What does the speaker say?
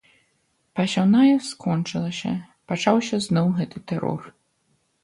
Пасяўная скончылася, пачаўся зноў гэты тэрор.